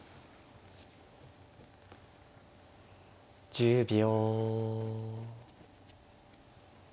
１０秒。